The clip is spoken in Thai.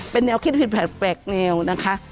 เป็นแนวคิดผิดแปลกแนวนะคะ